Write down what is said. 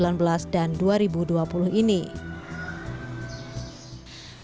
kakeknya juga menanggung kemampuan untuk berpengalaman